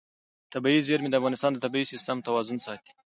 طبیعي زیرمې د افغانستان د طبعي سیسټم توازن ساتي.